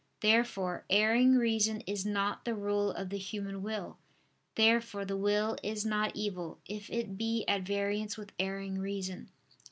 Therefore erring reason is not the rule of the human will. Therefore the will is not evil, if it be at variance with erring reason.